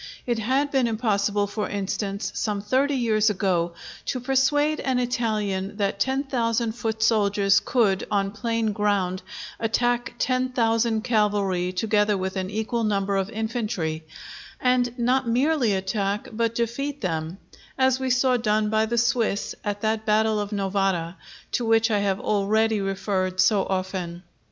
It had been impossible, for instance, some thirty years ago, to persuade an Italian that ten thousand foot soldiers could, on plain ground, attack ten thousand cavalry together with an equal number of infantry; and not merely attack, but defeat them; as we saw done by the Swiss at that battle of Novara, to which I have already referred so often.